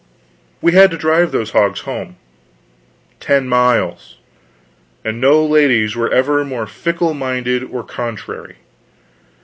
We had to drive those hogs home ten miles; and no ladies were ever more fickle minded or contrary.